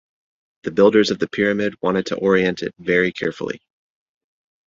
The builders of the Pyramid wanted to orient it very carefully.